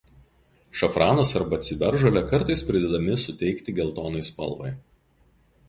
Šafranas arba ciberžolė kartais pridedami suteikti geltonai spalvai.